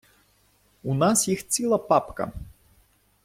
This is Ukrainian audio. У нас їх ціла папка.